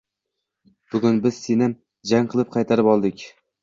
Bugun biz seni jang qilib qaytarib oldik